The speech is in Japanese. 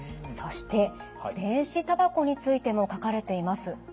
そして電子タバコについても書かれています。